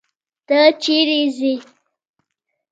ته چيري ځې؟